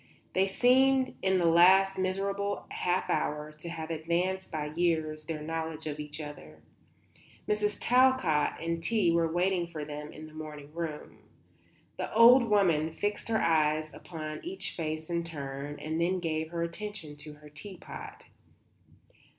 They seemed in the last miserable half hour to have advanced by years their knowledge of each other. Mrs. Talcott and tea were waiting for them in the morning room. The old woman fixed her eyes upon each face in turn and then gave her attention to her tea pot.